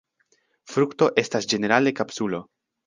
Frukto estas ĝenerale kapsulo.